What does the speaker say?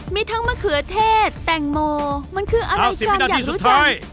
มีทั้งมะเขือเทศแตงโมมันคืออะไรจังอยากรู้จัง